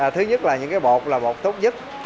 thứ nhất là những bột là bột tốt nhất